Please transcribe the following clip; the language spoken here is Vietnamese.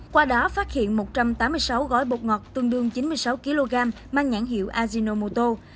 qua đó phát hiện một trăm tám mươi sáu gói bột ngọt tương đương chín mươi sáu kg mang nhãn hiệu ajinomoto